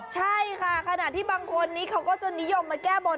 ใช่ค่ะขณะที่บางคนนี้เขาก็จะนิยมมาแก้บน